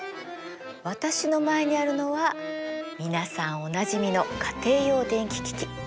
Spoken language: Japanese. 私の前にあるのは皆さんおなじみの家庭用電気機器。